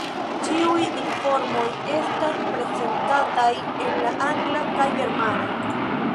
Ĉiuj informoj estas prezentataj en la angla kaj germana.